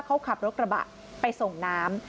เขาขับรถกระบะไปส่งน้ำ